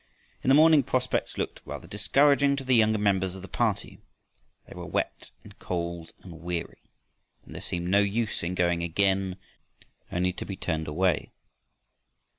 In the morning prospects looked rather discouraging to the younger members of the party. They were wet and cold and weary, and there seemed no use in going again and again to a village only to be turned away.